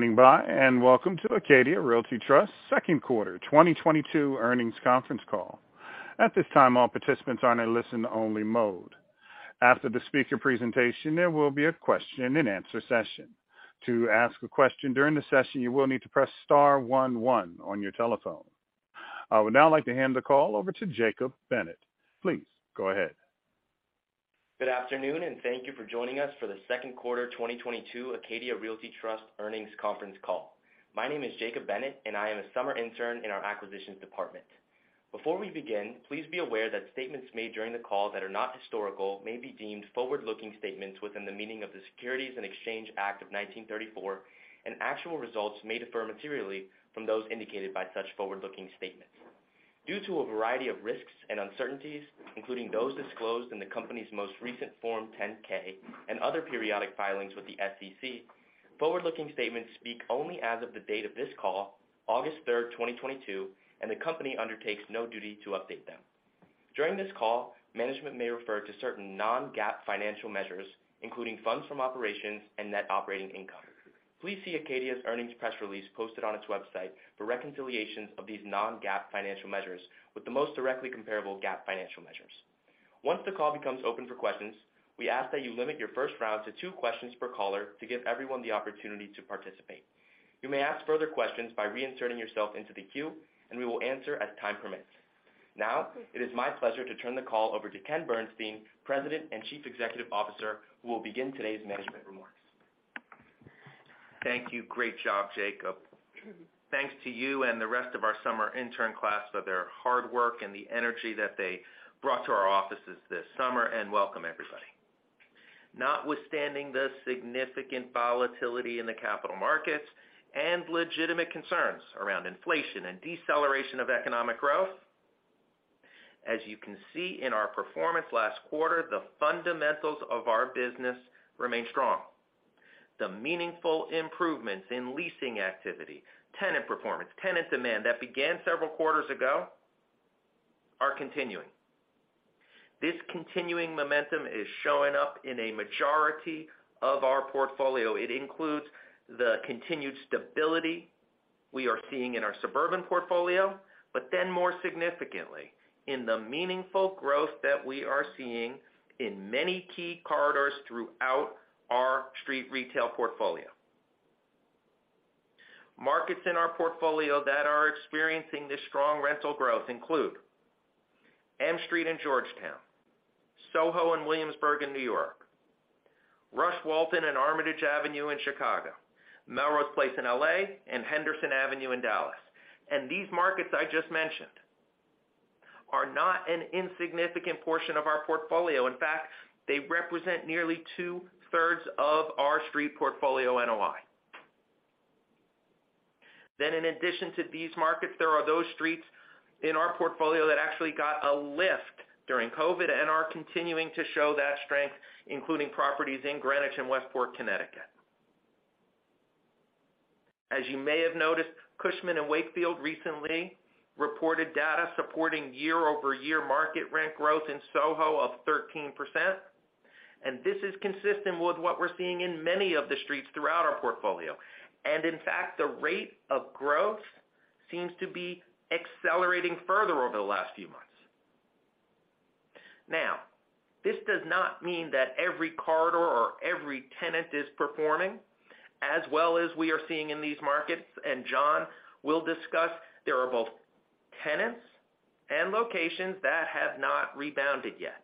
Good evening, everybody, and welcome to Acadia Realty Trust Second Quarter 2022 Earnings Conference Call. At this time, all participants are in a listen-only mode. After the speaker presentation, there will be a question and answer session. To ask a question during the session, you will need to press star one one on your telephone. I would now like to hand the call over to Jacob Bennett. Please go ahead. Good afternoon, and thank you for joining us for the second quarter 2022 Acadia Realty Trust earnings conference call. My name is Jacob Bennett, and I am a summer intern in our acquisitions department. Before we begin, please be aware that statements made during the call that are not historical may be deemed forward-looking statements within the meaning of the Securities Exchange Act of 1934, and actual results may differ materially from those indicated by such forward-looking statements. Due to a variety of risks and uncertainties, including those disclosed in the company's most recent Form 10-K and other periodic filings with the SEC, forward-looking statements speak only as of the date of this call, August 3rd, 2022, and the company undertakes no duty to update them. During this call, management may refer to certain non-GAAP financial measures, including funds from operations and net operating income. Please see Acadia's earnings press release posted on its website for reconciliations of these non-GAAP financial measures with the most directly comparable GAAP financial measures. Once the call becomes open for questions, we ask that you limit your first round to two questions per caller to give everyone the opportunity to participate. You may ask further questions by reinserting yourself into the queue, and we will answer as time permits. Now, it is my pleasure to turn the call over to Ken Bernstein, President and Chief Executive Officer, who will begin today's management remarks. Thank you. Great job, Jacob. Thanks to you and the rest of our summer intern class for their hard work and the energy that they brought to our offices this summer. Welcome everybody. Notwithstanding the significant volatility in the capital markets and legitimate concerns around inflation and deceleration of economic growth, as you can see in our performance last quarter, the fundamentals of our business remain strong. The meaningful improvements in leasing activity, tenant performance, tenant demand that began several quarters ago are continuing. This continuing momentum is showing up in a majority of our portfolio. It includes the continued stability we are seeing in our suburban portfolio, but then more significantly in the meaningful growth that we are seeing in many key corridors throughout our street retail portfolio. Markets in our portfolio that are experiencing this strong rental growth include M Street in Georgetown, SoHo and Williamsburg in New York, Rush and Walton and Armitage Avenue in Chicago, Melrose Place in L.A., and Henderson Avenue in Dallas. These markets I just mentioned are not an insignificant portion of our portfolio. In fact, they represent nearly 2/3 of our street portfolio NOI. In addition to these markets, there are those streets in our portfolio that actually got a lift during COVID and are continuing to show that strength, including properties in Greenwich and Westport, Connecticut. As you may have noticed, Cushman & Wakefield recently reported data supporting year-over-year market rent growth in SoHo of 13%, and this is consistent with what we're seeing in many of the streets throughout our portfolio. In fact, the rate of growth seems to be accelerating further over the last few months. Now, this does not mean that every corridor or every tenant is performing as well as we are seeing in these markets, and John will discuss there are both tenants and locations that have not rebounded yet.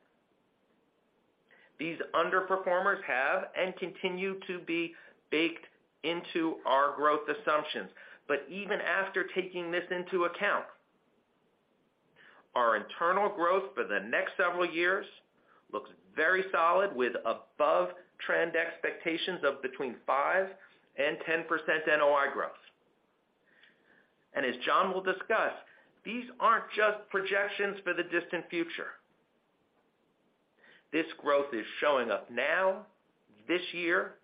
These underperformers have and continue to be baked into our growth assumptions. Even after taking this into account, our internal growth for the next several years looks very solid, with above trend expectations of between 5% and 10% NOI growth. As John will discuss, these aren't just projections for the distant future. This growth is showing up now, this year,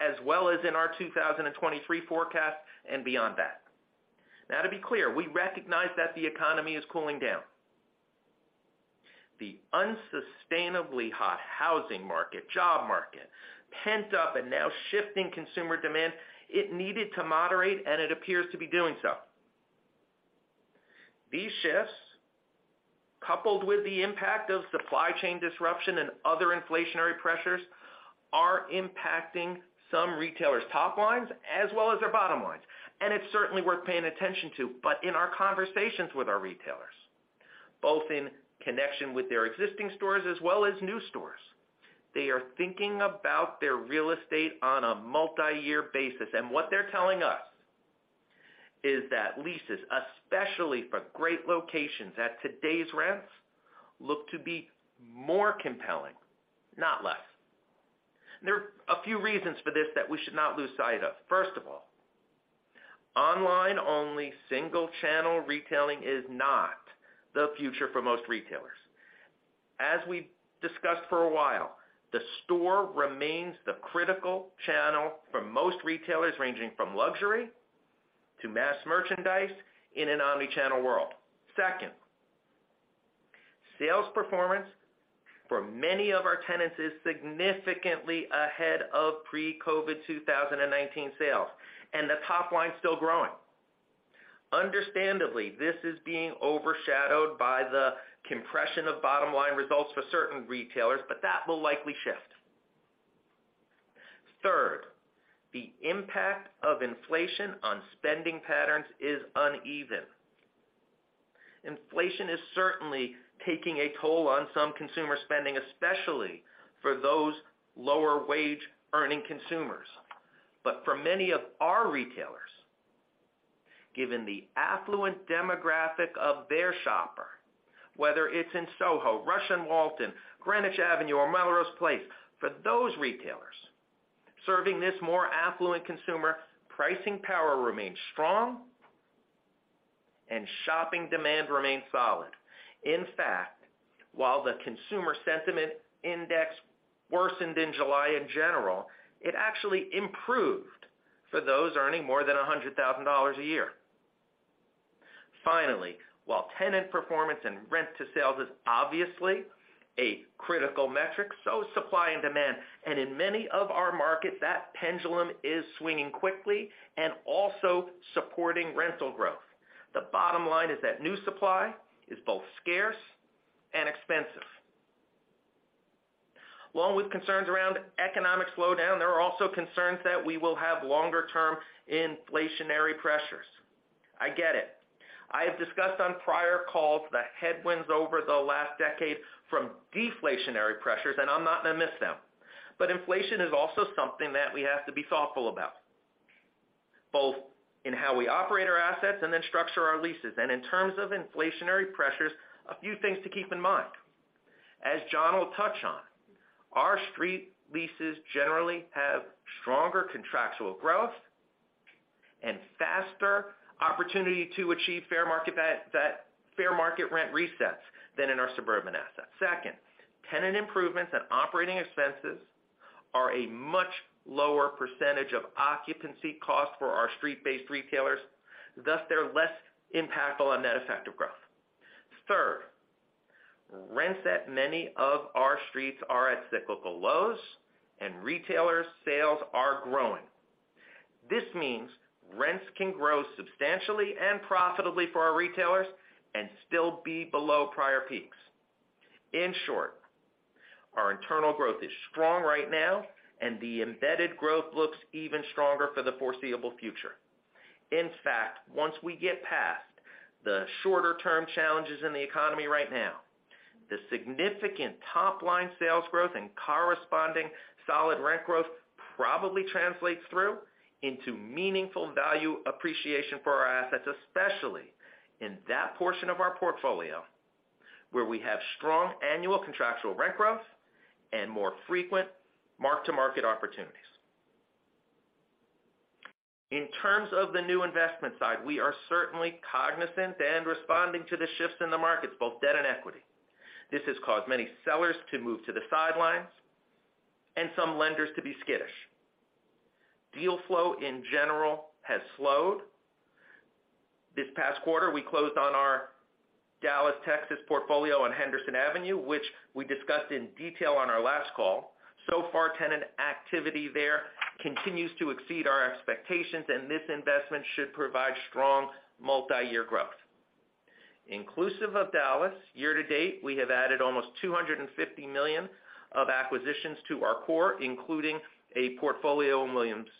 as well as in our 2023 forecast and beyond that. Now, to be clear, we recognize that the economy is cooling down. The unsustainably hot housing market, job market, pent-up and now shifting consumer demand, it needed to moderate, and it appears to be doing so. These shifts, coupled with the impact of supply chain disruption and other inflationary pressures, are impacting some retailers' top lines as well as their bottom lines, and it's certainly worth paying attention to. In our conversations with our retailers, both in connection with their existing stores as well as new stores, they are thinking about their real estate on a multi-year basis. What they're telling us is that leases, especially for great locations at today's rents, look to be more compelling, not less. There are a few reasons for this that we should not lose sight of. First of all, online-only single channel retailing is not the future for most retailers. As we discussed for a while, the store remains the critical channel for most retailers, ranging from luxury to mass merchandise in an omni-channel world. Sales performance for many of our tenants is significantly ahead of pre-COVID 2019 sales, and the top line is still growing. Understandably, this is being overshadowed by the compression of bottom-line results for certain retailers, but that will likely shift. Third, the impact of inflation on spending patterns is uneven. Inflation is certainly taking a toll on some consumer spending, especially for those lower wage-earning consumers. For many of our retailers, given the affluent demographic of their shopper, whether it's in SoHo, Rush and Walton, Greenwich Avenue, or Melrose Place, for those retailers serving this more affluent consumer, pricing power remains strong and shopping demand remains solid. In fact, while the consumer sentiment index worsened in July in general, it actually improved for those earning more than $100,000 a year. Finally, while tenant performance and rent to sales is obviously a critical metric, so is supply and demand. In many of our markets, that pendulum is swinging quickly and also supporting rental growth. The bottom line is that new supply is both scarce and expensive. Along with concerns around economic slowdown, there are also concerns that we will have longer-term inflationary pressures. I get it. I have discussed on prior calls the headwinds over the last decade from deflationary pressures, and I'm not going to miss them. Inflation is also something that we have to be thoughtful about, both in how we operate our assets and then structure our leases. In terms of inflationary pressures, a few things to keep in mind. As John will touch on, our street leases generally have stronger contractual growth and faster opportunity to achieve fair market rent resets than in our suburban assets. Second, tenant improvements and operating expenses are a much lower percentage of occupancy costs for our street-based retailers, thus they're less impactful on net effect of growth. Third, rents at many of our streets are at cyclical lows and retailers sales are growing. This means rents can grow substantially and profitably for our retailers and still be below prior peaks. In short, our internal growth is strong right now, and the embedded growth looks even stronger for the foreseeable future. In fact, once we get past the shorter-term challenges in the economy right now, the significant top-line sales growth and corresponding solid rent growth probably translates through into meaningful value appreciation for our assets, especially in that portion of our portfolio where we have strong annual contractual rent growth and more frequent mark-to-market opportunities. In terms of the new investment side, we are certainly cognizant and responding to the shifts in the markets, both debt and equity. This has caused many sellers to move to the sidelines and some lenders to be skittish. Deal flow in general has slowed. This past quarter, we closed on our Dallas, Texas portfolio on Henderson Avenue, which we discussed in detail on our last call. So far, tenant activity there continues to exceed our expectations, and this investment should provide strong multiyear growth. Inclusive of Dallas, year to date, we have added almost $250 million of acquisitions to our core, including a portfolio in Williamsburg,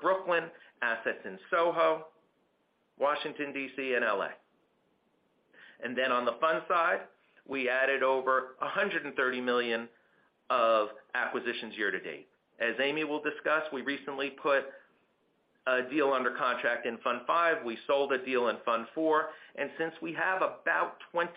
Brooklyn, assets in SoHo, Washington, D.C., and L.A. Then on the fund side, we added over $130 million of acquisitions year to date. As Amy will discuss, we recently put a deal under contract in Fund V. We sold a deal in Fund IV. Since we have about 20%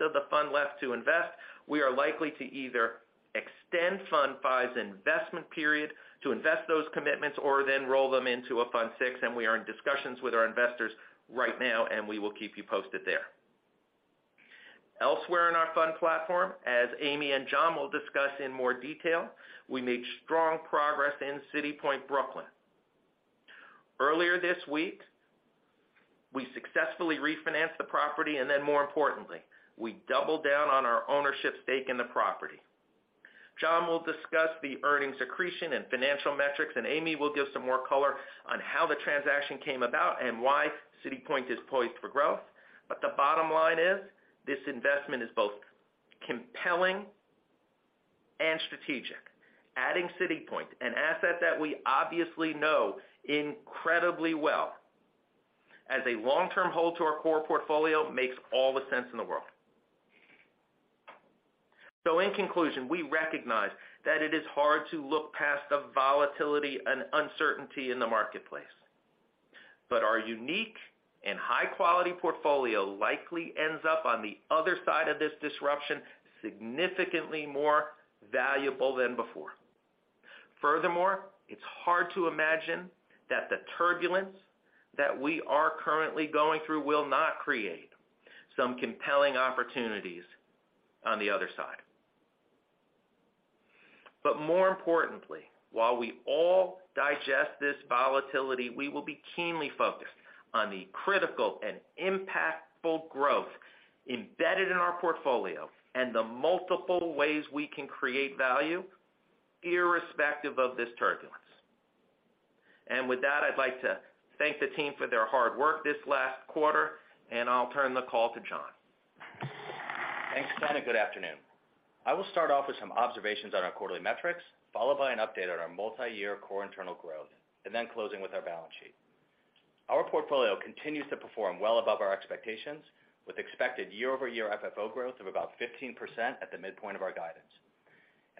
of the fund left to invest, we are likely to either extend Fund V's investment period to invest those commitments or then roll them into a Fund VI. We are in discussions with our investors right now, and we will keep you posted there. Elsewhere in our fund platform, as Amy and John will discuss in more detail, we made strong progress in City Point, Brooklyn. Earlier this week, we successfully refinanced the property and then more importantly, we doubled down on our ownership stake in the property. John will discuss the earnings accretion and financial metrics, and Amy will give some more color on how the transaction came about and why City Point is poised for growth. The bottom line is this investment is both compelling and strategic. Adding City Point, an asset that we obviously know incredibly well as a long-term hold to our core portfolio makes all the sense in the world. In conclusion, we recognize that it is hard to look past the volatility and uncertainty in the marketplace, but our unique and high-quality portfolio likely ends up on the other side of this disruption significantly more valuable than before. Furthermore, it's hard to imagine that the turbulence that we are currently going through will not create some compelling opportunities on the other side. More importantly, while we all digest this volatility, we will be keenly focused on the critical and impactful growth embedded in our portfolio and the multiple ways we can create value irrespective of this turbulence. With that, I'd like to thank the team for their hard work this last quarter, and I'll turn the call to John. Thanks, Ken, and good afternoon. I will start off with some observations on our quarterly metrics, followed by an update on our multi-year core internal growth, and then closing with our balance sheet. Our portfolio continues to perform well above our expectations, with expected year-over-year FFO growth of about 15% at the midpoint of our guidance.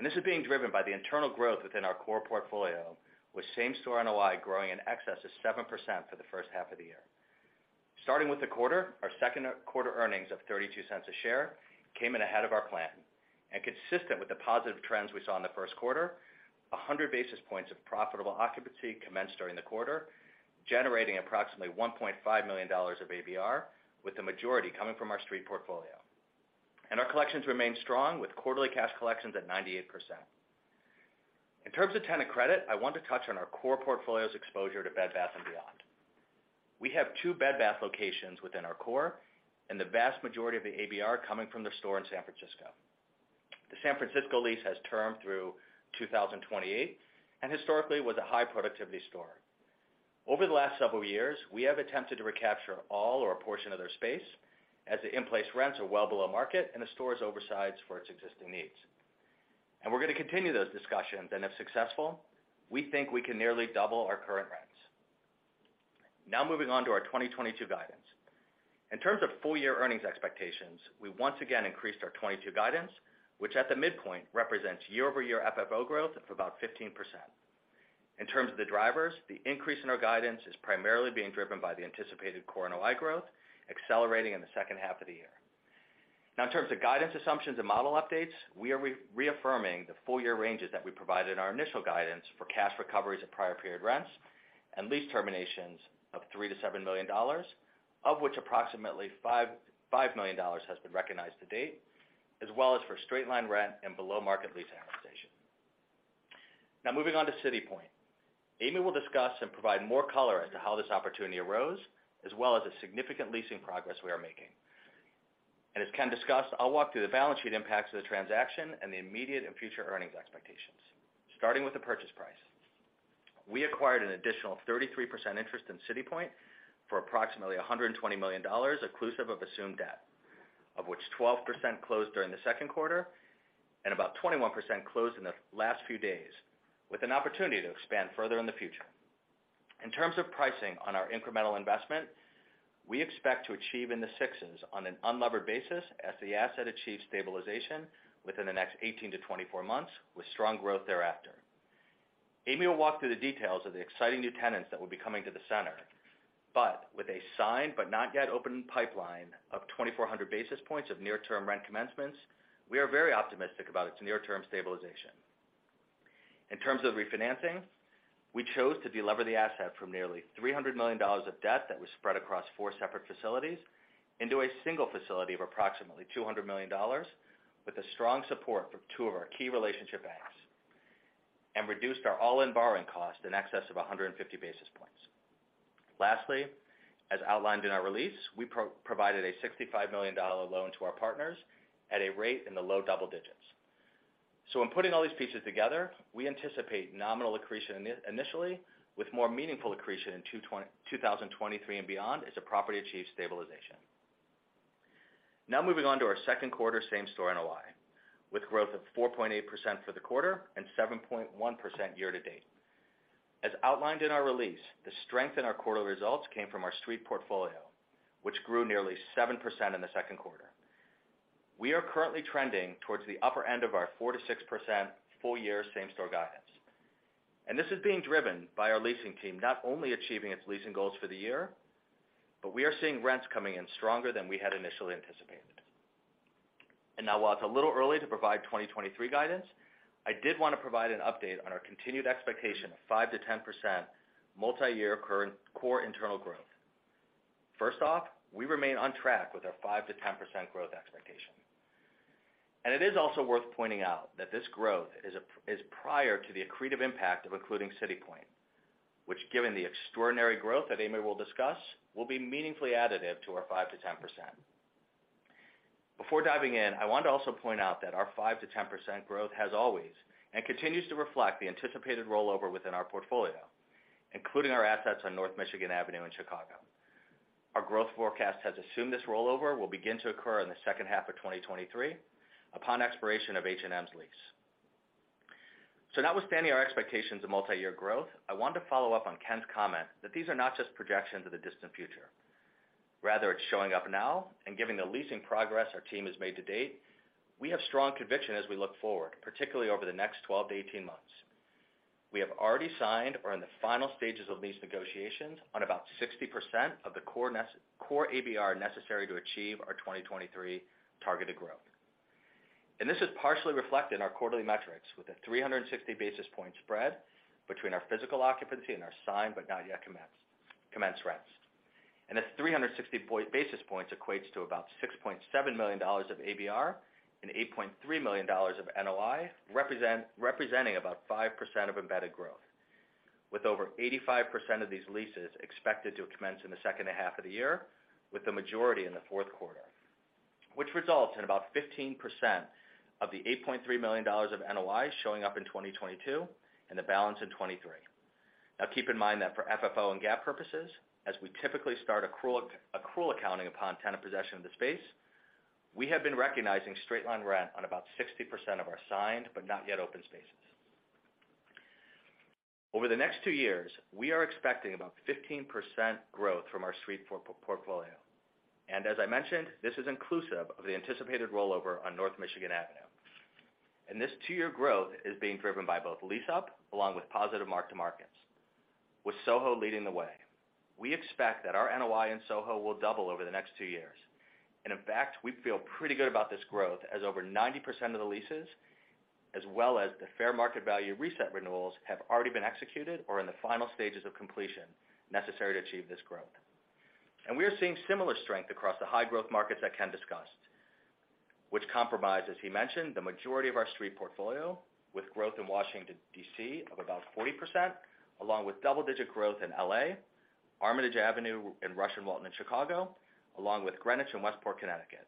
This is being driven by the internal growth within our core portfolio, with same-store NOI growing in excess of 7% for the first half of the year. Starting with the quarter, our second quarter earnings of $0.32 a share came in ahead of our plan. Consistent with the positive trends we saw in the first quarter, 100 basis points of profitable occupancy commenced during the quarter, generating approximately $1.5 million of ABR, with the majority coming from our street portfolio. Our collections remain strong with quarterly cash collections at 98%. In terms of tenant credit, I want to touch on our core portfolio's exposure to Bed Bath & Beyond. We have two Bed Bath locations within our core, and the vast majority of the ABR coming from their store in San Francisco. The San Francisco lease has termed through 2028 and historically was a high productivity store. Over the last several years, we have attempted to recapture all or a portion of their space as the in-place rents are well below market and the store is oversized for its existing needs. We're gonna continue those discussions, and if successful, we think we can nearly double our current rents. Now moving on to our 2022 guidance. In terms of full year earnings expectations, we once again increased our 2022 guidance, which at the midpoint represents year-over-year FFO growth of about 15%. In terms of the drivers, the increase in our guidance is primarily being driven by the anticipated core NOI growth, accelerating in the second half of the year. Now, in terms of guidance assumptions and model updates, we are reaffirming the full-year ranges that we provided in our initial guidance for cash recoveries of prior period rents and lease terminations of $3 million-$7 million, of which approximately $5 million has been recognized to date, as well as for straight line rent and below-market lease amortization. Now moving on to City Point. Amy will discuss and provide more color as to how this opportunity arose, as well as the significant leasing progress we are making. As Ken discussed, I'll walk through the balance sheet impacts of the transaction and the immediate and future earnings expectations. Starting with the purchase price. We acquired an additional 33% interest in City Point for approximately $120 million, inclusive of assumed debt, of which 12% closed during the second quarter and about 21% closed in the last few days, with an opportunity to expand further in the future. In terms of pricing on our incremental investment, we expect to achieve in the sixes on an unlevered basis as the asset achieves stabilization within the next 18-24 months with strong growth thereafter. Amy will walk through the details of the exciting new tenants that will be coming to the center. With a signed but not yet open pipeline of 2,400 basis points of near-term rent commencements, we are very optimistic about its near-term stabilization. In terms of refinancing, we chose to delever the asset from nearly $300 million of debt that was spread across four separate facilities into a single facility of approximately $200 million with the strong support from two of our key relationship banks, and reduced our all-in borrowing cost in excess of 150 basis points. Lastly, as outlined in our release, we provided a $65 million loan to our partners at a rate in the low double digits. In putting all these pieces together, we anticipate nominal accretion initially, with more meaningful accretion in 2023 and beyond as the property achieves stabilization. Now moving on to our second quarter same store NOI, with growth of 4.8% for the quarter and 7.1% year to date. As outlined in our release, the strength in our quarterly results came from our street portfolio, which grew nearly 7% in the second quarter. We are currently trending towards the upper end of our 4%-6% full-year same-store guidance. This is being driven by our leasing team not only achieving its leasing goals for the year, but we are seeing rents coming in stronger than we had initially anticipated. Now while it's a little early to provide 2023 guidance, I did want to provide an update on our continued expectation of 5%-10% multi-year current core internal growth. First off, we remain on track with our 5%-10% growth expectation. It is also worth pointing out that this growth is prior to the accretive impact of including City Point, which given the extraordinary growth that Amy will discuss, will be meaningfully additive to our 5%-10%. Before diving in, I want to also point out that our 5%-10% growth has always and continues to reflect the anticipated rollover within our portfolio, including our assets on North Michigan Avenue in Chicago. Our growth forecast has assumed this rollover will begin to occur in the second half of 2023 upon expiration of H&M's lease. Notwithstanding our expectations of multi-year growth, I want to follow up on Ken's comment that these are not just projections of the distant future. Rather, it's showing up now and giving the leasing progress our team has made to date. We have strong conviction as we look forward, particularly over the next 12-18 months. We have already signed or in the final stages of lease negotiations on about 60% of the core ABR necessary to achieve our 2023 targeted growth. This is partially reflected in our quarterly metrics with a 360 basis point spread between our physical occupancy and our signed but not yet commenced rents. It's 360 basis points equates to about $6.7 million of ABR and $8.3 million of NOI, representing about 5% of embedded growth, with over 85% of these leases expected to commence in the second half of the year, with the majority in the fourth quarter. Which results in about 15% of the $8.3 million of NOI showing up in 2022 and the balance in 2023. Now, keep in mind that for FFO and GAAP purposes, as we typically start accrual accounting upon tenant possession of the space, we have been recognizing straight-line rent on about 60% of our signed, but not yet open spaces. Over the next two years, we are expecting about 15% growth from our street portfolio. As I mentioned, this is inclusive of the anticipated rollover on North Michigan Avenue. This two-year growth is being driven by both lease up along with positive mark-to-markets, with SoHo leading the way. We expect that our NOI in SoHo will double over the next two years. In fact, we feel pretty good about this growth as over 90% of the leases, as well as the fair market value reset renewals have already been executed or in the final stages of completion necessary to achieve this growth. We are seeing similar strength across the high-growth markets that Ken discussed, which comprise, as he mentioned, the majority of our street portfolio, with growth in Washington, D.C., of about 40%, along with double-digit growth in L.A., Armitage Avenue in Rush and Walton in Chicago, along with Greenwich and Westport, Connecticut.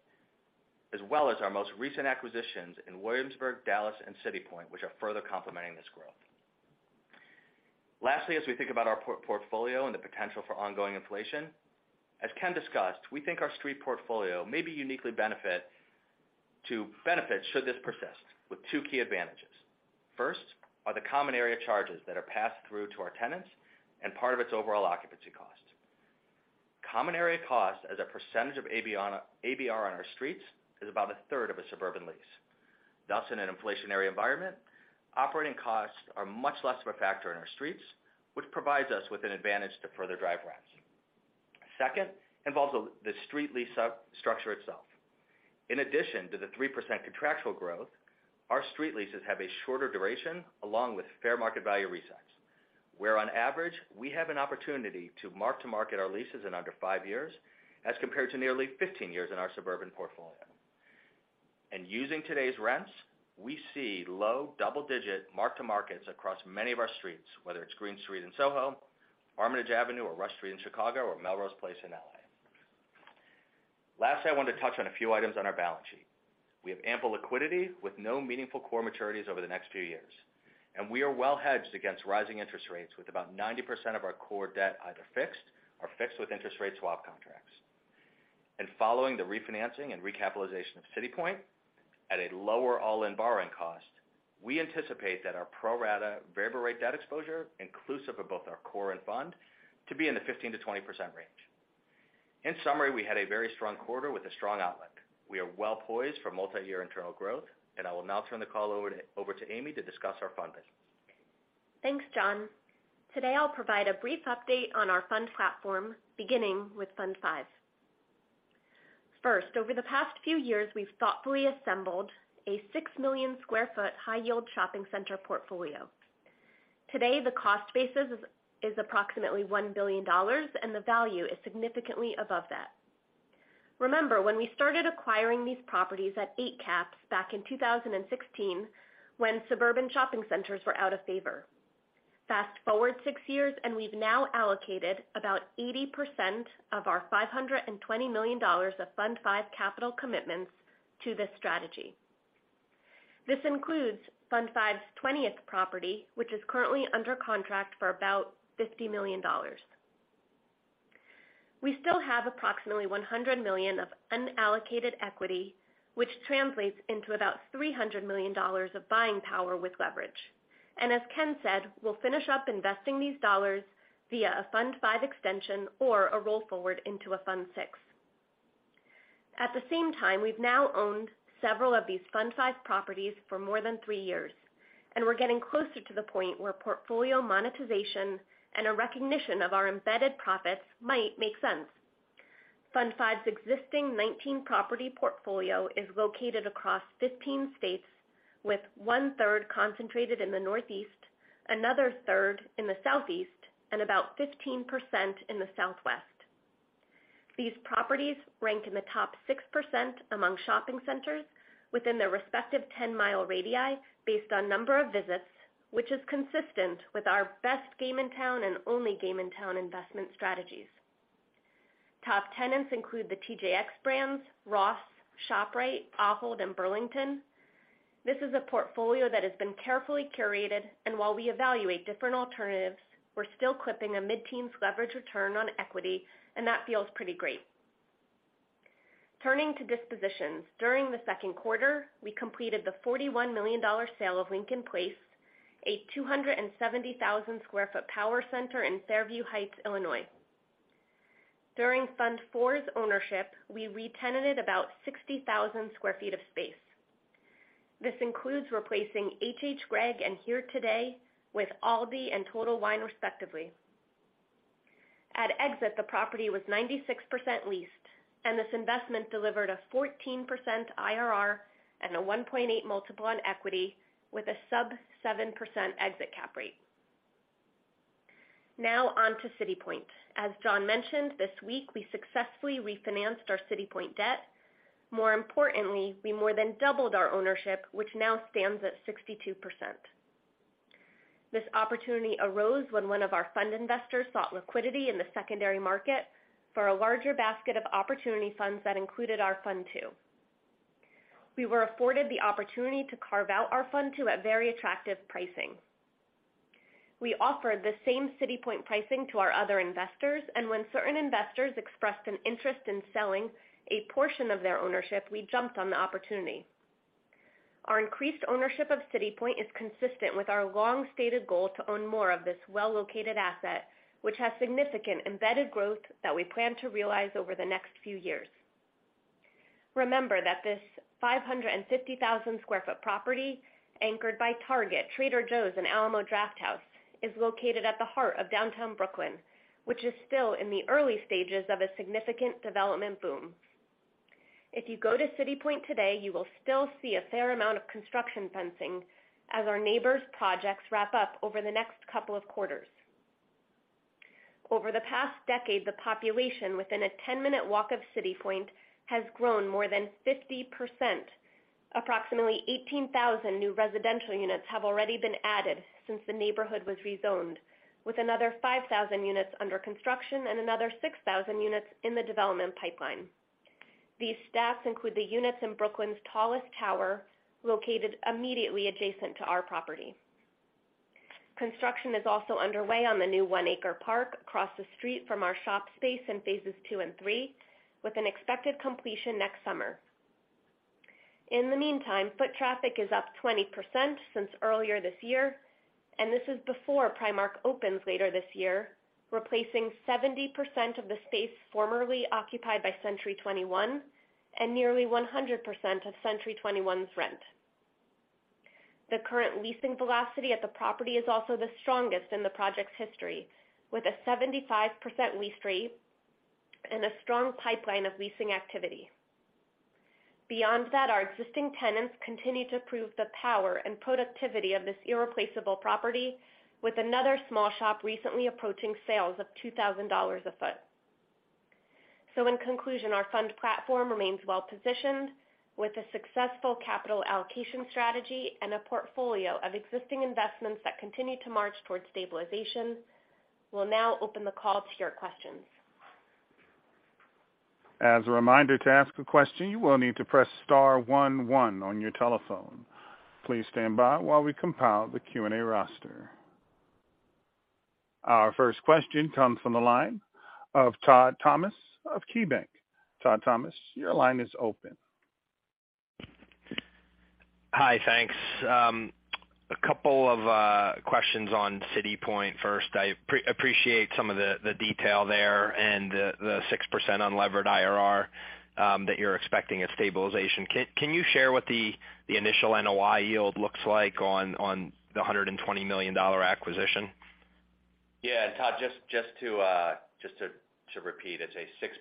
As well as our most recent acquisitions in Williamsburg, Dallas and City Point, which are further complementing this growth. Lastly, as we think about our portfolio and the potential for ongoing inflation, as Ken discussed, we think our street portfolio may be uniquely positioned to benefit should this persist with two key advantages. First are the common area charges that are passed through to our tenants and part of its overall occupancy cost. Common area cost as a percentage of ABR on our streets is about a third of a suburban lease. Thus, in an inflationary environment, operating costs are much less of a factor in our streets, which provides us with an advantage to further drive rents. Second involves the street lease structure itself. In addition to the 3% contractual growth, our street leases have a shorter duration along with fair market value resets. Where on average, we have an opportunity to mark-to-market our leases in under five years as compared to nearly 15 years in our suburban portfolio. Using today's rents, we see low double-digit mark-to-markets across many of our streets, whether it's Green Street in SoHo, Armitage Avenue, or Rush Street in Chicago, or Melrose Place in LA. Last, I want to touch on a few items on our balance sheet. We have ample liquidity with no meaningful core maturities over the next few years. We are well hedged against rising interest rates with about 90% of our core debt either fixed or fixed with interest rate swap contracts. Following the refinancing and recapitalization of City Point at a lower all-in borrowing cost, we anticipate that our pro-rata variable rate debt exposure inclusive of both our core and fund to be in the 15%-20% range. In summary, we had a very strong quarter with a strong outlook. We are well poised for multi-year internal growth, and I will now turn the call over to Amy to discuss our fund business. Thanks, John. Today, I'll provide a brief update on our fund platform, beginning with Fund V. First, over the past few years, we've thoughtfully assembled a 6 million sq ft high yield shopping center portfolio. Today, the cost basis is approximately $1 billion, and the value is significantly above that. Remember, when we started acquiring these properties at eight caps back in 2016, when suburban shopping centers were out of favor. Fast forward six years, and we've now allocated about 80% of our $520 million of Fund V capital commitments to this strategy. This includes Fund V's 20th property, which is currently under contract for about $50 million. We still have approximately $100 million of unallocated equity, which translates into about $300 million of buying power with leverage. As Ken said, we'll finish up investing these dollars via a Fund V extension or a roll forward into a Fund VI. At the same time, we've now owned several of these Fund V properties for more than three years, and we're getting closer to the point where portfolio monetization and a recognition of our embedded profits might make sense. Fund V's existing 19-property portfolio is located across 15 states, with 1/3 concentrated in the Northeast, another third in the Southeast, and about 15% in the Southwest. These properties rank in the top 6% among shopping centers within their respective 10-mile radii based on number of visits, which is consistent with our best game in town and only game in town investment strategies. Top tenants include the TJX brands, Ross, ShopRite, Ahold, and Burlington. This is a portfolio that has been carefully curated, and while we evaluate different alternatives, we're still clipping a mid-teens leverage return on equity, and that feels pretty great. Turning to dispositions. During the second quarter, we completed the $41 million sale of Lincoln Place, a 270,000 sq ft power center in Fairview Heights, Illinois. During Fund V's ownership, we re-tenanted about 60,000 sq ft of space. This includes replacing H.H. Gregg and Here Today with Aldi and Total Wine, respectively. At exit, the property was 96% leased. This investment delivered a 14% IRR and a 1.8x multiple on equity with a sub 7% exit cap rate. Now on to City Point. As John mentioned, this week, we successfully refinanced our City Point debt. More importantly, we more than doubled our ownership, which now stands at 62%. This opportunity arose when one of our fund investors sought liquidity in the secondary market for a larger basket of opportunity funds that included our Fund II. We were afforded the opportunity to carve out our Fund II at very attractive pricing. We offered the same City Point pricing to our other investors, and when certain investors expressed an interest in selling a portion of their ownership, we jumped on the opportunity. Our increased ownership of City Point is consistent with our long-stated goal to own more of this well-located asset, which has significant embedded growth that we plan to realize over the next few years. Remember that this 550,000 sq ft property, anchored by Target, Trader Joe's, and Alamo Drafthouse, is located at the heart of downtown Brooklyn, which is still in the early stages of a significant development boom. If you go to City Point today, you will still see a fair amount of construction fencing as our neighbors' projects wrap up over the next couple of quarters. Over the past decade, the population within a 10-minute walk of City Point has grown more than 50%. Approximately 18,000 new residential units have already been added since the neighborhood was rezoned, with another 5,000 units under construction and another 6,000 units in the development pipeline. These stats include the units in Brooklyn's tallest tower, located immediately adjacent to our property. Construction is also underway on the new 1-acre park across the street from our shop space in phases two and three, with an expected completion next summer. In the meantime, foot traffic is up 20% since earlier this year, and this is before Primark opens later this year, replacing 70% of the space formerly occupied by Century 21 and nearly 100% of Century 21's rent. The current leasing velocity at the property is also the strongest in the project's history, with a 75% lease rate and a strong pipeline of leasing activity. Beyond that, our existing tenants continue to prove the power and productivity of this irreplaceable property with another small shop recently approaching sales of $2,000 a foot. In conclusion, our fund platform remains well positioned with a successful capital allocation strategy and a portfolio of existing investments that continue to march towards stabilization. We'll now open the call to your questions. As a reminder, to ask a question, you will need to press star one one on your telephone. Please stand by while we compile the Q&A roster. Our first question comes from the line of Todd Thomas of KeyBanc. Todd Thomas, your line is open. Hi. Thanks. A couple of questions on City Point first. I appreciate some of the detail there and the 6% unlevered IRR that you're expecting at stabilization. Can you share what the initial NOI yield looks like on the $120 million acquisition? Yeah. Todd, just to repeat, it's a 6%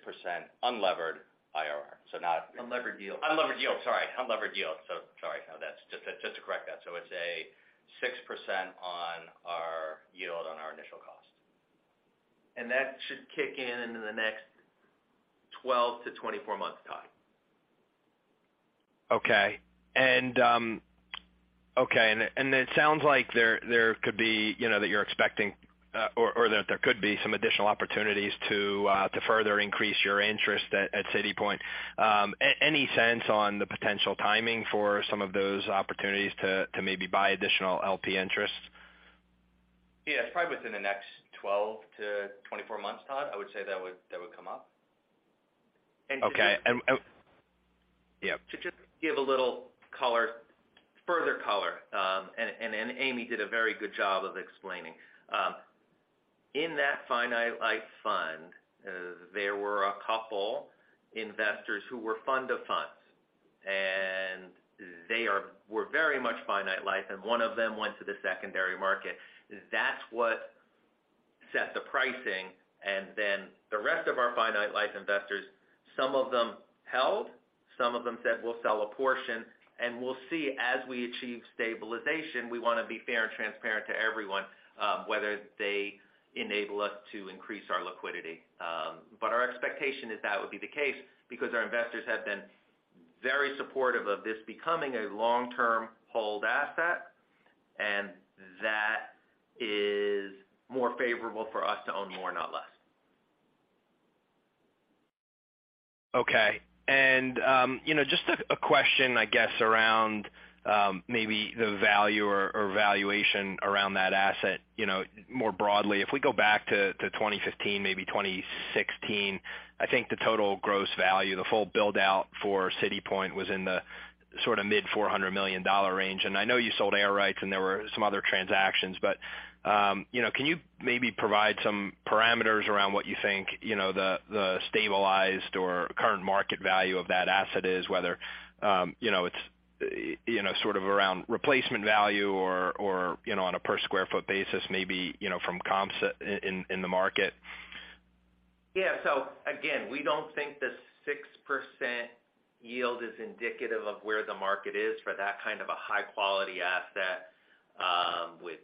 unlevered IRR, so not- Unlevered yield. Unlevered yield. Sorry. Just to correct that. It's a 6% yield on our initial cost. That should kick in in the next 12-24 months, Todd. Okay. It sounds like there could be, you know, that you're expecting or that there could be some additional opportunities to further increase your interest at City Point. Any sense on the potential timing for some of those opportunities to maybe buy additional LP interests? Yeah. It's probably within the next 12-24 months, Todd. I would say that would come up. Okay. Yeah. To just give a little color, further color, and Amy did a very good job of explaining. In that finite life fund, there were a couple investors who were fund-of-funds, and they were very much finite life, and one of them went to the secondary market. That's what set the pricing. The rest of our finite life investors, some of them held, some of them said, "We'll sell a portion." We'll see as we achieve stabilization, we wanna be fair and transparent to everyone, whether they enable us to increase our liquidity. Our expectation is that would be the case because our investors have been very supportive of this becoming a long-term hold asset, and that is more favorable for us to own more, not less. Okay, you know, just a question, I guess, around maybe the value or valuation around that asset, you know, more broadly. If we go back to 2015, maybe 2016, I think the total gross value, the full build out for City Point was in the sort of mid-$400 million range. I know you sold air rights and there were some other transactions, but you know, can you maybe provide some parameters around what you think, you know, the stabilized or current market value of that asset is, whether you know, it's you know, sort of around replacement value or you know, on a per square foot basis, maybe you know, from comps in the market? Yeah. Again, we don't think the 6% yield is indicative of where the market is for that kind of a high-quality asset, with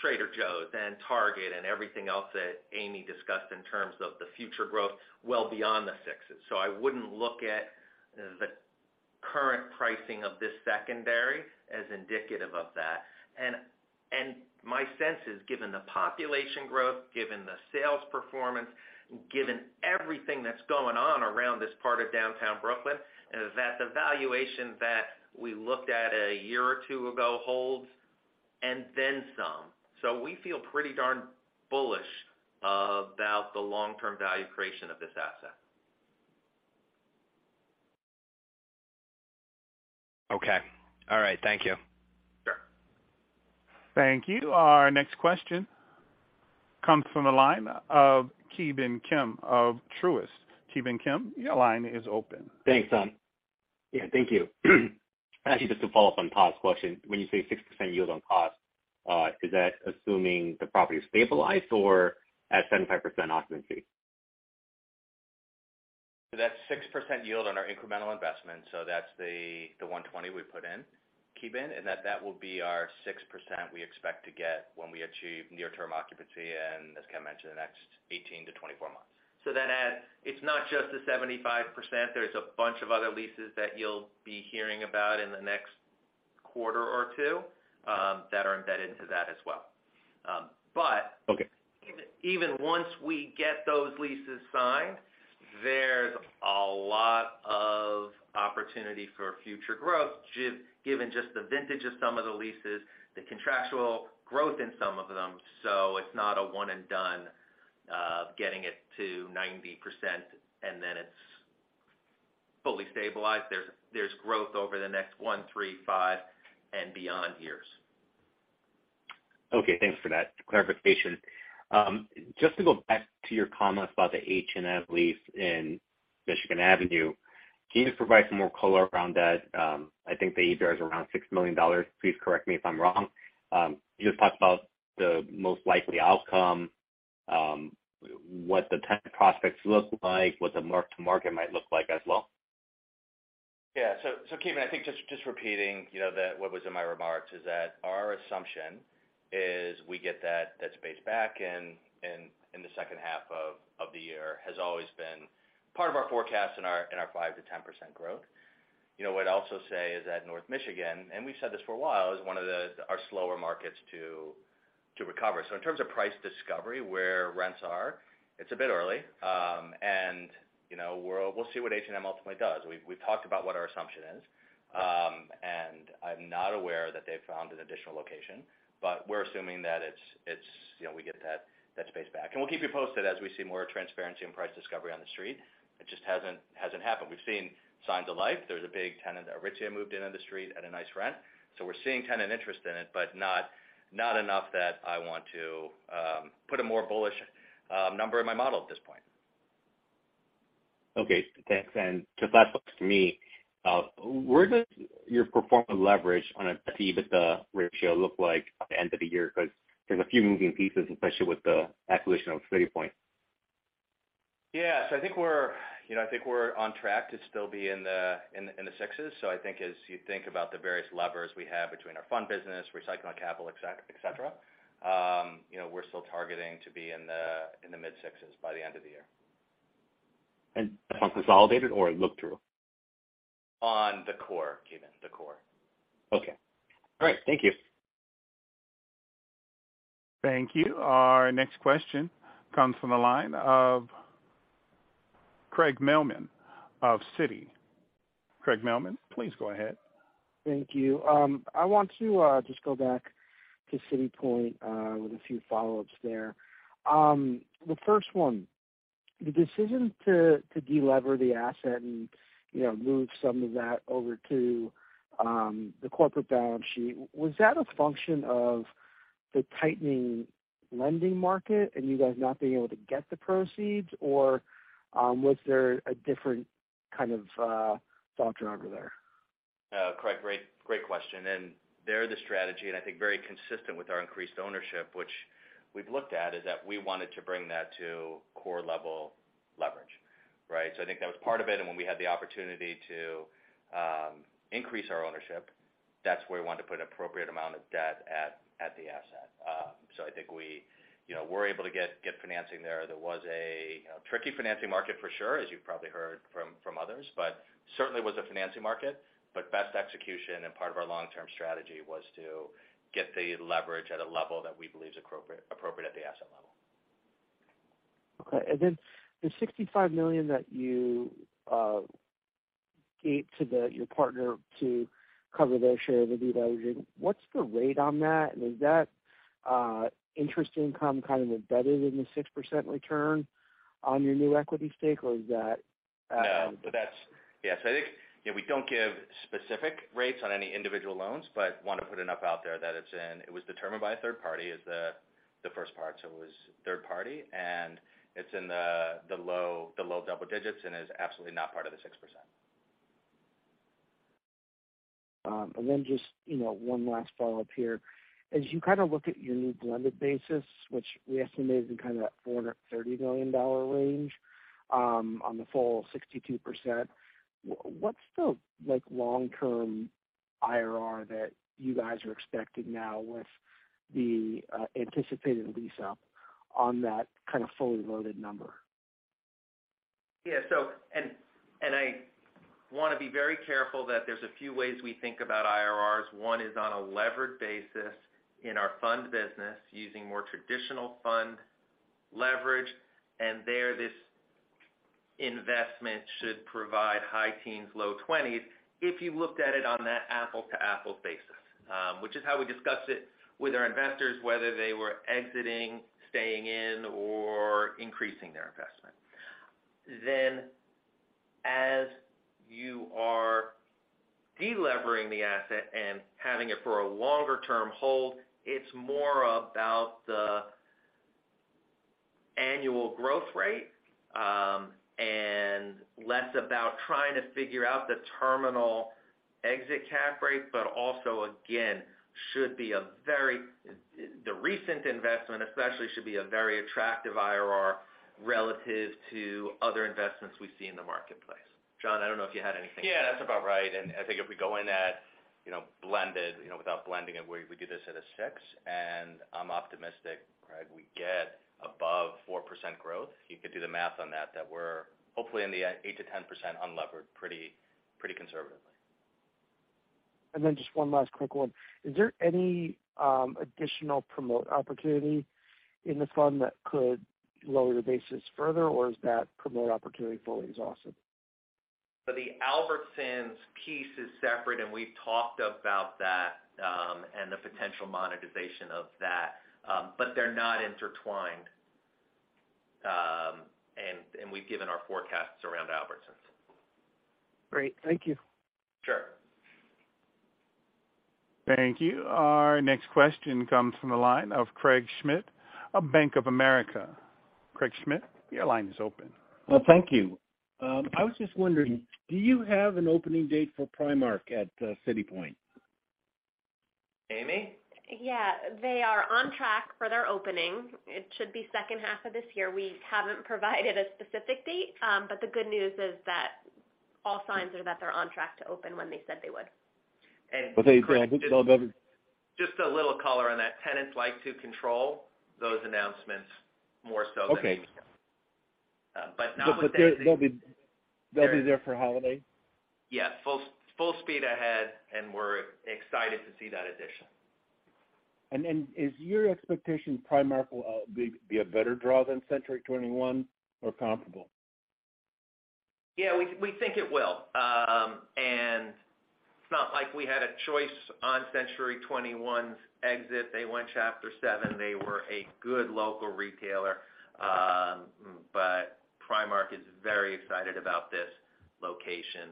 Trader Joe's and Target and everything else that Amy discussed in terms of the future growth well beyond the 6%. I wouldn't look at the current pricing of this secondary as indicative of that. And my sense is, given the population growth, given the sales performance, given everything that's going on around this part of downtown Brooklyn, that the valuation that we looked at a year or two ago holds and then some. We feel pretty darn bullish about the long-term value creation of this asset. Okay. All right. Thank you. Sure. Thank you. Our next question comes from the line of Ki Bin Kim of Truist. Ki Bin Kim, your line is open. Thanks, Tom. Yeah, thank you. Actually, just to follow up on Todd's question. When you say 60% yield on cost, is that assuming the property is stabilized or at 75% occupancy? That's 6% yield on our incremental investment. That's the $120 we put in, Ki Bin, and that will be our 6% we expect to get when we achieve near-term occupancy and as Ken mentioned, in the next 18-24 months. that adds. It's not just the 75%. There's a bunch of other leases that you'll be hearing about in the next quarter or two, that are embedded into that as well. Okay. Even once we get those leases signed, there's a lot of opportunity for future growth given just the vintage of some of the leases, the contractual growth in some of them. It's not a one and done, getting it to 90% and then it's fully stabilized. There's growth over the next one, three, five, and beyond years. Okay, thanks for that clarification. Just to go back to your comments about the H&M lease in Michigan Avenue, can you just provide some more color around that? I think the ABR is around $6 million. Please correct me if I'm wrong. Can you just talk about the most likely outcome, what the tenant prospects look like, what the mark-to-market might look like as well? Yeah. Ki Bin, I think just repeating, you know, what was in my remarks, is that our assumption is we get that space back in the second half of the year. Has always been part of our forecast in our 5%-10% growth. You know, what I'd also say is that North Michigan, and we've said this for a while, is one of our slower markets to recover. In terms of price discovery, where rents are, it's a bit early. You know, we'll see what H&M ultimately does. We've talked about what our assumption is. I'm not aware that they've found an additional location, but we're assuming that it's, you know, we get that space back. We'll keep you posted as we see more transparency and price discovery on the street. It just hasn't happened. We've seen signs of life. There's a big tenant that originally moved in on the street at a nice rent. We're seeing tenant interest in it, but not enough that I want to put a more bullish number in my model at this point. Okay. Thanks. Just last question from me. Where does your performance leverage on a EBITDA ratio look like at the end of the year? 'Cause there's a few moving pieces, especially with the acquisition of City Point. Yeah. I think we're, you know, on track to still be in the sixes. I think as you think about the various levers we have between our fund business, recycling capital, et cetera, you know, we're still targeting to be in the mid-sixes by the end of the year. Upon consolidated or look-through? On the core, Ki Bin. The core. Okay. All right. Thank you. Thank you. Our next question comes from the line of Craig Mailman of Citi. Craig Mailman, please go ahead. Thank you. I want to just go back to City Point with a few follow-ups there. The first one, the decision to delever the asset and, you know, move some of that over to the corporate balance sheet, was that a function of the tightening lending market and you guys not being able to get the proceeds? Or, was there a different kind of thought driver there? Craig, great question. There, the strategy, and I think very consistent with our increased ownership, which we've looked at, is that we wanted to bring that to core level leverage, right? I think that was part of it. When we had the opportunity to increase our ownership, that's where we wanted to put an appropriate amount of debt at the asset. I think we, you know, were able to get financing there. There was a, you know, tricky financing market for sure, as you've probably heard from others, but certainly was a financing market. Best execution and part of our long-term strategy was to get the leverage at a level that we believe is appropriate at the asset level. Okay. The $65 million that you gave to your partner to cover their share of the deleveraging, what's the rate on that? Is that interest income kind of embedded in the 6% return on your new equity stake, or is that? No. Yes, I think, you know, we don't give specific rates on any individual loans, but want to put enough out there that it was determined by a third party as the first part, so it was third party. It's in the low double digits and is absolutely not part of the 6%. Just, you know, one last follow-up here. As you kind of look at your new blended basis, which we estimate is in kind of that $430 million range, on the full 62%, what's the, like, long-term IRR that you guys are expecting now with the anticipated lease-up on that kind of fully loaded number? I wanna be very careful that there's a few ways we think about IRRs. One is on a levered basis in our fund business using more traditional fund leverage. There, this investment should provide high teens, low 20s, if you looked at it on that apple-to-apple basis, which is how we discussed it with our investors, whether they were exiting, staying in, or increasing their investment. As you are de-levering the asset and having it for a longer-term hold, it's more about the annual growth rate, and less about trying to figure out the terminal exit cap rate. Also, again, the recent investment especially should be a very attractive IRR relative to other investments we see in the marketplace. John, I don't know if you had anything to add. Yeah, that's about right. I think if we go in at, you know, blended, you know, without blending it, we do this at a 6, and I'm optimistic, Craig, we get above 4% growth. You could do the math on that we're hopefully in the 8%-10% unlevered pretty conservatively. Just one last quick one. Is there any additional promote opportunity in the fund that could lower the basis further, or is that promote opportunity fully exhausted? The Albertsons piece is separate, and we've talked about that, and the potential monetization of that. They're not intertwined. We've given our forecasts around Albertsons. Great. Thank you. Sure. Thank you. Our next question comes from the line of Craig Schmidt of Bank of America. Craig Schmidt, your line is open. Well, thank you. I was just wondering, do you have an opening date for Primark at City Point? Amy? Yeah. They are on track for their opening. It should be second half of this year. We haven't provided a specific date. But the good news is that all signs are that they're on track to open when they said they would. Craig, just a little color on that. Tenants like to control those announcements more so than we can. Okay. Not with anything. They'll be there for holiday? Yeah. Full speed ahead, and we're excited to see that addition. Is your expectation Primark will be a better draw than Century 21 or comparable? Yeah, we think it will. It's not like we had a choice on Century 21's exit. They went Chapter 7. They were a good local retailer. Primark is very excited about this location.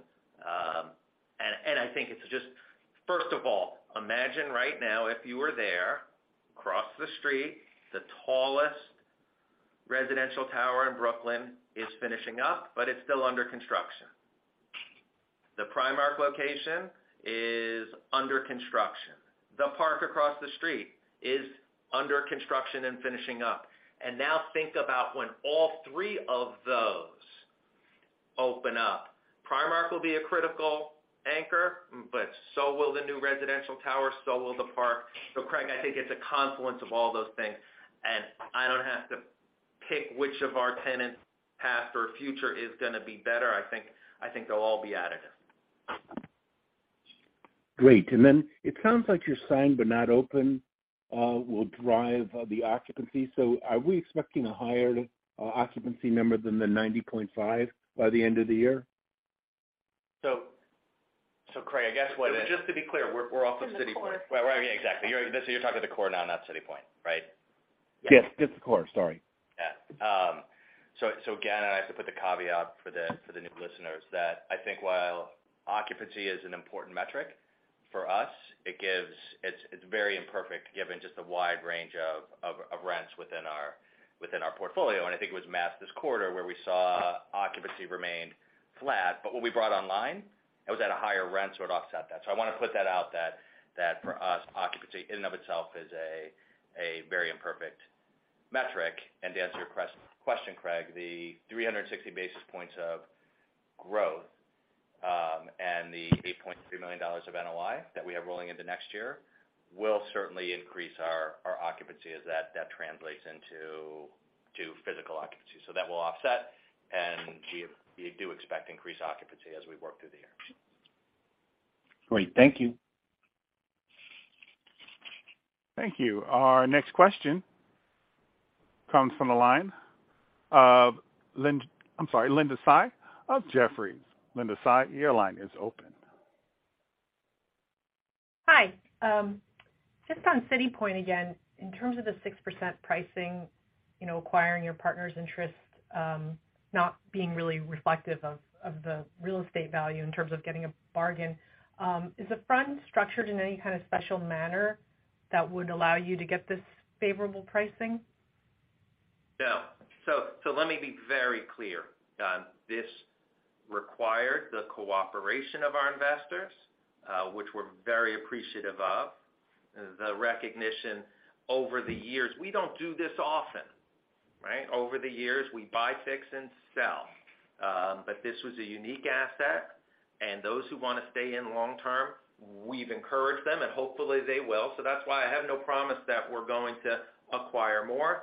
I think it's just, first of all, imagine right now, if you were there, across the street, the tallest residential tower in Brooklyn is finishing up, but it's still under construction. The Primark location is under construction. The park across the street is under construction and finishing up. Now think about when all three of those open up. Primark will be a critical anchor, but so will the new residential tower, so will the park. Craig, I think it's a confluence of all those things. I don't have to pick which of our tenants, past or future, is gonna be better. I think they'll all be additive. Great. It sounds like your signed but not open will drive the occupancy. Are we expecting a higher occupancy number than the 90.5% by the end of the year? Craig, I guess what Just to be clear, we're off of City Point. In the core. Right. Yeah, exactly. So you're talking the core now, not City Point, right? Yes. Just the core. Sorry. Yeah. So again, I have to put the caveat for the new listeners that I think while occupancy is an important metric for us, it's very imperfect given just the wide range of rents within our portfolio. I think it was last quarter where we saw occupancy remained flat, but what we brought online, it was at a higher rent, so it offset that. I wanna put that out there that for us, occupancy in and of itself is a very imperfect metric. To answer your question, Craig, the 360 basis points of growth and the $8.3 million of NOI that we have rolling into next year will certainly increase our occupancy as that translates into physical occupancy. That will offset, and we do expect increased occupancy as we work through the year. Great. Thank you. Thank you. Our next question comes from the line of, I'm sorry, Linda Tsai of Jefferies. Linda Tsai, your line is open. Hi. Just on City Point again. In terms of the 6% pricing, you know, acquiring your partner's interest, not being really reflective of the real estate value in terms of getting a bargain, is the fund structured in any kind of special manner that would allow you to get this favorable pricing? No. Let me be very clear. This required the cooperation of our investors, which we're very appreciative of. The recognition over the years. We don't do this often, right? Over the years, we buy, fix, and sell. This was a unique asset. Those who wanna stay in long term, we've encouraged them, and hopefully they will. That's why I have no promise that we're going to acquire more.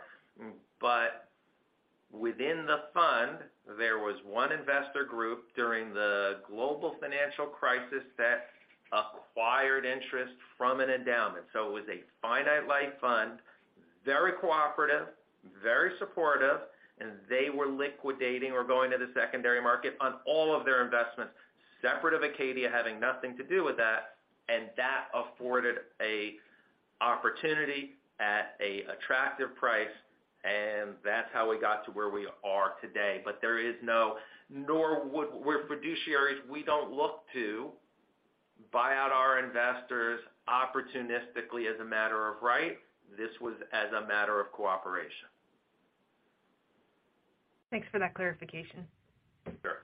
Within the fund, there was one investor group during the global financial crisis that acquired interest from an endowment. It was a finite life fund, very cooperative, very supportive, and they were liquidating or going to the secondary market on all of their investments, separate of Acadia, having nothing to do with that. That afforded an opportunity at an attractive price, and that's how we got to where we are today. We're fiduciaries, we don't look to buy out our investors opportunistically as a matter of right. This was as a matter of cooperation. Thanks for that clarification. Sure.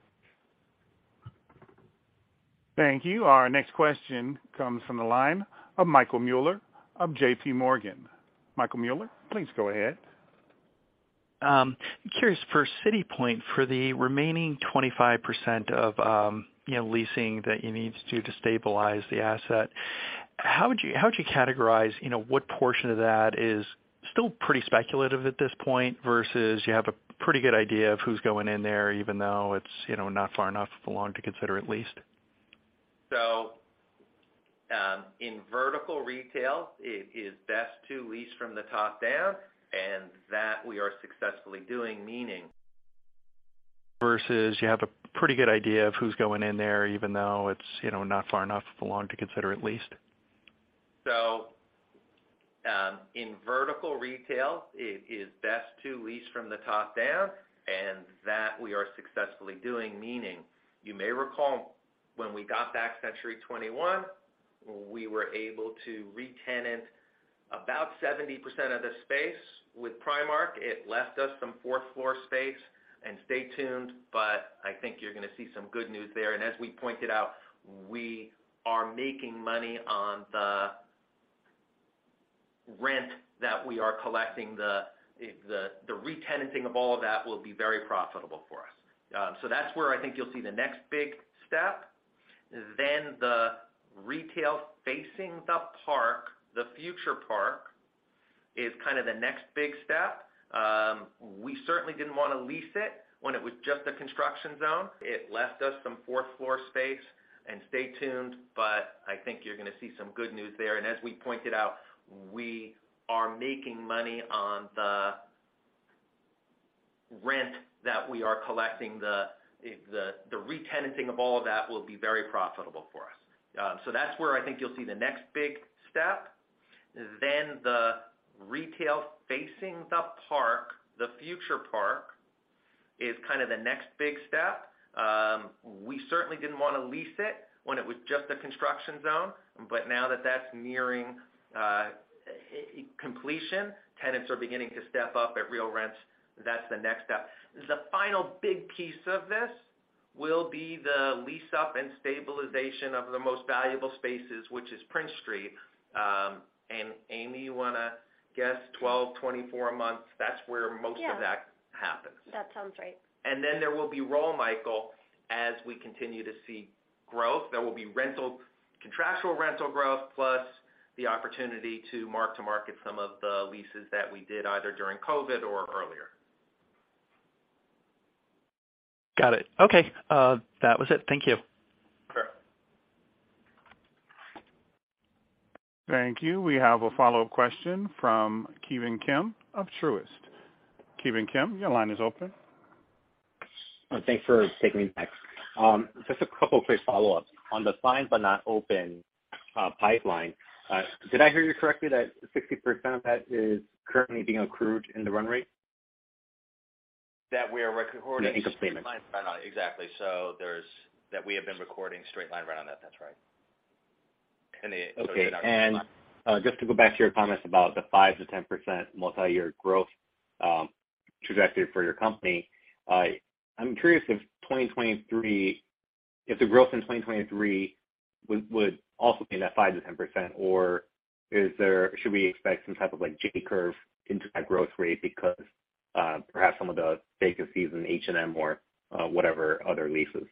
Thank you. Our next question comes from the line of Michael Mueller of JPMorgan. Michael Mueller, please go ahead. Curious for City Point, for the remaining 25% of, you know, leasing that you need to stabilize the asset, how would you categorize, you know, what portion of that is still pretty speculative at this point versus you have a pretty good idea of who's going in there, even though it's, you know, not far enough along to consider it leased? In vertical retail, it is best to lease from the top down, and that we are successfully doing. Versus you have a pretty good idea of who's going in there, even though it's, you know, not far enough along to consider it leased. In vertical retail, it is best to lease from the top down, and that we are successfully doing, meaning you may recall when we got back Century 21, we were able to retenant about 70% of the space with Primark. It left us some fourth floor space, and stay tuned, but I think you're gonna see some good news there. As we pointed out, we are making money on the rent that we are collecting. The retenanting of all of that will be very profitable for us. That's where I think you'll see the next big step. The retail facing the park, the future park, is kind of the next big step. We certainly didn't wanna lease it when it was just a construction zone. It left us some fourth floor space, and stay tuned, but I think you're gonna see some good news there. As we pointed out, we are making money on the rent that we are collecting. The retenanting of all of that will be very profitable for us. So that's where I think you'll see the next big step. The retail facing the park, the future park, is kind of the next big step. We certainly didn't wanna lease it when it was just a construction zone. Now that that's nearing completion, tenants are beginning to step up at real rents. That's the next step. The final big piece of this will be the lease-up and stabilization of the most valuable spaces, which is Prince Street. And Amy, you wanna guess 12, 24 months? That's where most Yeah. of that happens. That sounds right. There will be more, Michael, as we continue to see growth. There will be contractual rental growth, plus the opportunity to mark-to-market some of the leases that we did either during COVID or earlier. Got it. Okay. That was it. Thank you. Sure. Thank you. We have a follow-up question from Ki Bin Kim of Truist. Ki Bin Kim, your line is open. Thanks for taking me next. Just a couple quick follow-ups. On the signed but not open pipeline, did I hear you correctly that 60% of that is currently being accrued in the run rate? That we are recording- Yeah, income statement. Exactly. That we have been recognizing straight-line rent on that. That's right. Just to go back to your comments about the 5%-10% multi-year growth trajectory for your company, I'm curious if the growth in 2023 would also be in that 5%-10%, or should we expect some type of, like, J curve into that growth rate because perhaps some of the vacancies in H&M or whatever other leases?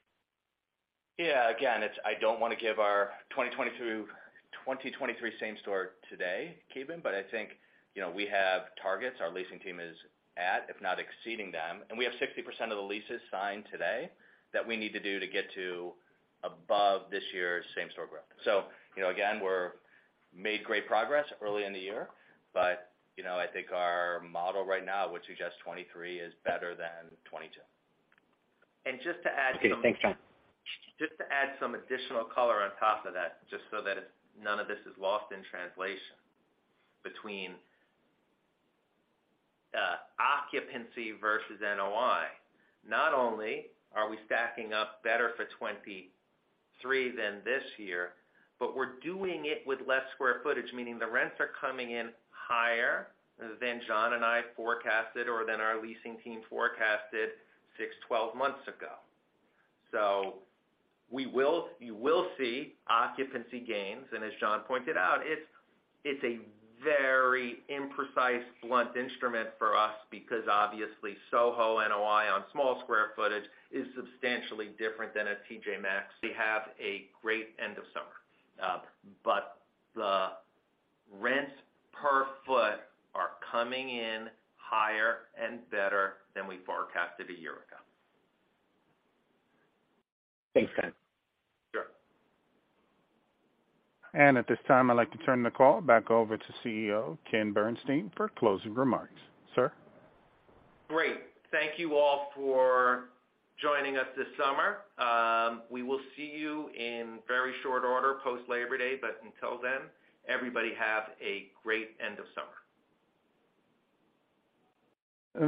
Yeah. Again, it's. I don't wanna give our 2022/2023 same store today, Ki Bin, but I think, you know, we have targets our leasing team is at, if not exceeding them. We have 60% of the leases signed today that we need to do to get to above this year's same store growth. You know, again, we made great progress early in the year, but, you know, I think our model right now would suggest 2023 is better than 2022. And just to add some- Okay. Thanks, John. Just to add some additional color on top of that, just so that none of this is lost in translation between occupancy versus NOI. Not only are we stacking up better for 2023 than this year, but we're doing it with less square footage, meaning the rents are coming in higher than John and I forecasted or than our leasing team forecasted six, 12 months ago. You will see occupancy gains, and as John pointed out, it's a very imprecise blunt instrument for us because obviously SoHo NOI on small square footage is substantially different than a T.J. Maxx. We have a great end of summer. The rents per foot are coming in higher and better than we forecasted a year ago. Thanks, Ken. Sure. At this time, I'd like to turn the call back over to CEO Ken Bernstein for closing remarks. Sir? Great. Thank you all for joining us this summer. We will see you in very short order post Labor Day, but until then, everybody have a great end of summer.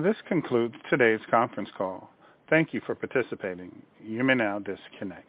This concludes today's conference call. Thank you for participating. You may now disconnect.